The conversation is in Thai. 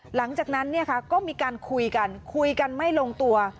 หลังจากนั้นก็มีการคุยกันคุยกันไม่ลงตัว